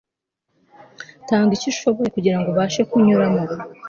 tanga icyo ushoboye kugirango ubafashe kunyuramo